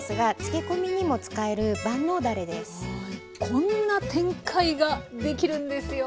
こんな展開ができるんですよ。